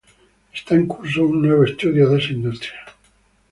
Está en curso un nuevo estudio de esta industria.